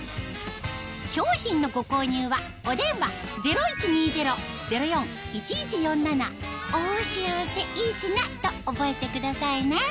商品のご購入はお電話０１２０−０４ー１１４７と覚えてくださいね